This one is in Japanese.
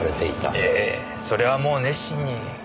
ええそれはもう熱心に。